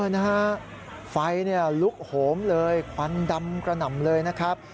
นะฮะไฟลุกโหมเลยควันดำกระหน่ำเลยนะครับ